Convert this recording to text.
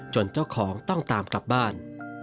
เจ้าของต้องตามกลับบ้าน